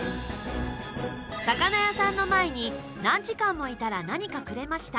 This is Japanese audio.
魚屋さんの前に何時間もいたら何か、くれました。